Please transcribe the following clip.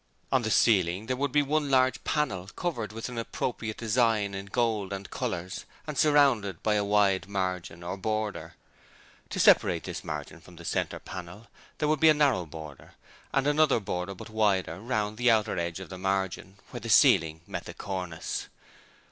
On the ceiling there would be one large panel covered with an appropriate design in gold and colours and surrounded by a wide margin or border. To separate this margin from the centre panel there would be a narrow border, and another border but wider round the outer edge of the margin, where the ceiling met the cornice.